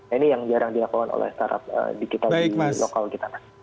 nah ini yang jarang dilakukan oleh startup digital di lokal kita